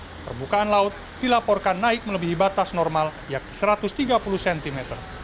permukaan laut dilaporkan naik melebihi batas normal yakni satu ratus tiga puluh cm